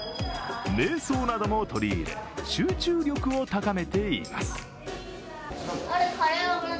瞑想なども取り入れ、集中力を高めています。